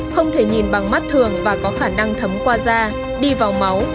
không thể nhìn bằng mắt thường và có khả năng thấm qua da đi vào máu